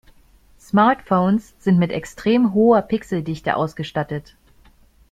Smartphones sind mit extrem hoher Pixeldichte ausgestattet.